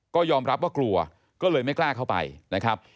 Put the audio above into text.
ก็ยอมรับว่ากลัวก็เลยไม่กล้าเข้าไปนะครับ